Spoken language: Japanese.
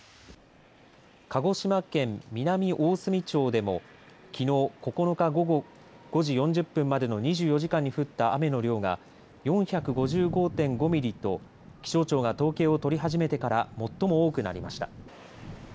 鹿児島県南大隅町でもきのう９日午後５時４０分までの２４時間に降った雨の量が４５５．５ミリと気象庁が統計を取り始めてから最も多くなりました。